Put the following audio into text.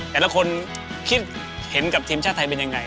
แต่ละคนคิดเห็นกับทีมชาติไทยเป็นยังไง